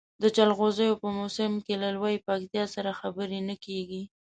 د جلغوزیو په موسم کې له لویې پکتیا سره خبرې نه کېږي.